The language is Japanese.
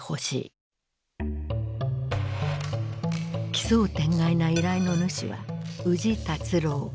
奇想天外な依頼の主は宇治達郎。